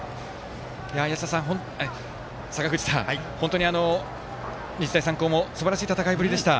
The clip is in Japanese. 坂口さん、本当に日大三高もすばらしい戦いぶりでした。